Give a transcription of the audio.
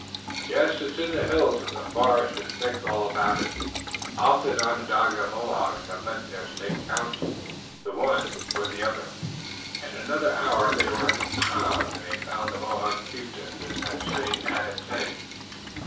"Yes, it is in the hills, and the forest is thick all about it. Often Onondaga and Mohawk have met there to take council, the one with the other." In another hour they were at the pond, and they found the Mohawk chieftain and his men sitting at its edge.